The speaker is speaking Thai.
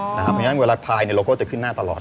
เพราะฉะนั้นเวลาทายเราก็จะขึ้นหน้าตลอด